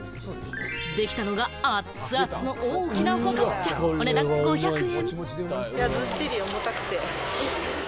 出来たのが、熱々の大きなフォカッチャ！お値段５００円！